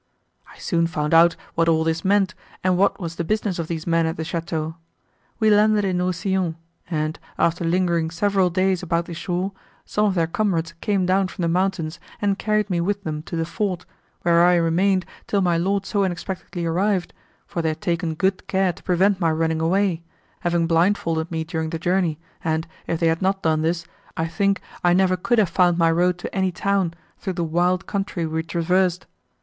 I soon found out what all this meant, and what was the business of these men at the château. We landed in Rousillon, and, after lingering several days about the shore, some of their comrades came down from the mountains, and carried me with them to the fort, where I remained till my Lord so unexpectedly arrived, for they had taken good care to prevent my running away, having blindfolded me, during the journey, and, if they had not done this, I think I never could have found my road to any town, through the wild country we traversed.